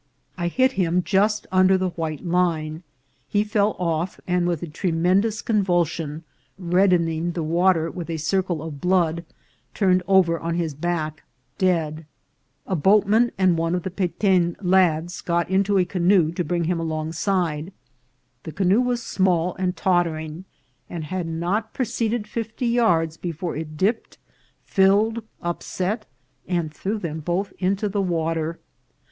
I hit him just under the white line ; he fell off, and with a tremendous convulsion, reddening the water with a circle of blood, turned over on his back, dead. A boatman and one of the Peten lads got into a canoe to bring him alongside. The ca noe was small and tottering, and had not proceeded fifty yards before it dipped, filled, upset, and threw them both into the water.